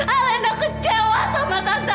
alena kecewa sama tante